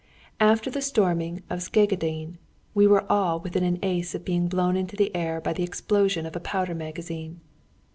At the storming of Szegedin we were all within an ace of being blown into the air by the explosion of a powder magazine.